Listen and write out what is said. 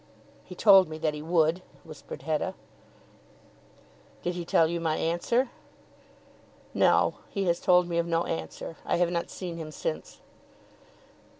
"He told me that he would," whispered Hetta. "Did he tell you of my answer?" "No; he has told me of no answer. I have not seen him since."